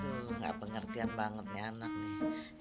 aduh ga pengertian banget nih anak nih